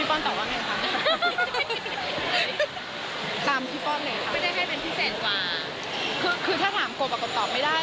พี่ป้อนตอบว่าไงครับตามพี่ป้อนเลยครับไม่ได้ให้เป็นพิเศษกว่าคือคือถ้าถามกบอะกบตอบไม่ได้